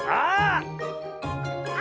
あ！